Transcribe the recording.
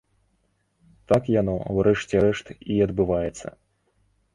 Так яно, у рэшце рэшт, і адбываецца.